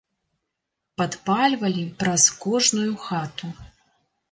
Падпальвалі праз кожную хату.